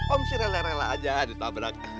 om si rela rela aja di tabrak